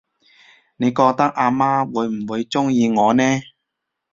你覺得阿媽會唔會鍾意我呢？